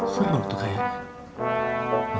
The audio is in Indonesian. seru tuh kayaknya